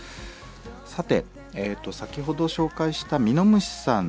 さて先ほど紹介したミノムシさん。